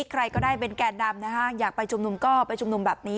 ใครก็ได้เป็นแก่นำนะฮะอยากไปชุมนุมก็ไปชุมนุมแบบนี้